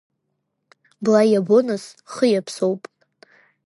Бла иабо, нас, хы иаԥсоуп.